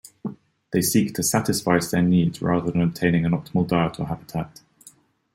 They seek to "satisfice" their needs rather than obtaining an optimal diet or habitat.